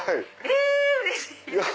うれしい！